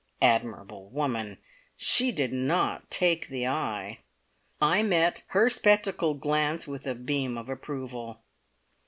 Admirable woman! She did not "take the eye". I met her spectacled glance with a beam of approval.